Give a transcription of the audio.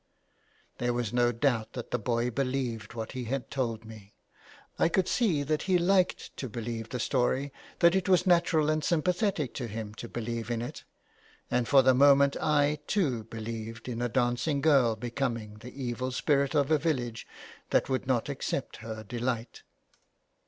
There was no doubt that the boy believed what he had told me ; I could see that he liked to believe the story, that it was natural and sympathetic to him to believe in it; and for the moment I, too, believed in a dancing girl becoming the evil spirit of a village that would not accept her delight.